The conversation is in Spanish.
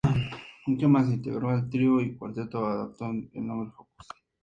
Akkerman se integró al trío, y el cuarteto adoptó el nombre Focus.